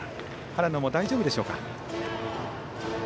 原野も大丈夫でしょうか。